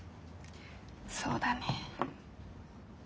そうだね。